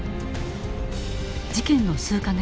事件の数か月